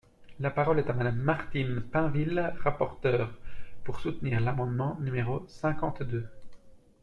La parole est à Madame Martine Pinville, rapporteure, pour soutenir l’amendement numéro cinquante-deux.